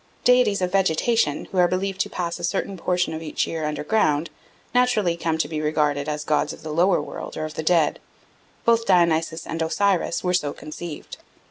Deities of vegetation, who are believed to pass a certain portion of each year underground, naturally come to be regarded as gods of the lower world or of the dead. Both Dionysus and Osiris were so conceived.